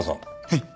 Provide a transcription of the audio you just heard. はい。